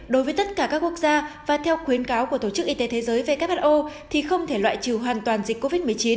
đối với tất cả các quốc gia và theo khuyến cáo của tổ chức y tế thế giới who thì không thể loại trừ hoàn toàn dịch covid một mươi chín